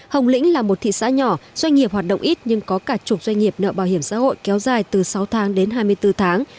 hồng lĩnh là một thị xã nhỏ doanh nghiệp hoạt động ít nhưng có cả chục doanh nghiệp nợ bảo hiểm xã hội kéo dài từ sáu tháng đến hai mươi bốn tháng